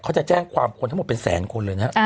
เขาจะแจ้งความคนทั้งหมดเป็นแสนคนเลยนะ